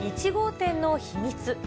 １号店の秘密。